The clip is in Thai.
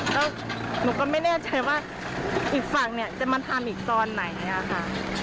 แล้วหนูก็ไม่แน่ใจว่าอีกฝั่งเนี่ยจะมาทำอีกตอนไหนอะค่ะ